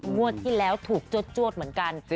งวดที่แล้วถูกจวดเหมือนกัน